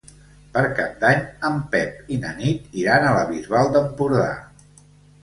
Per Cap d'Any en Pep i na Nit iran a la Bisbal d'Empordà.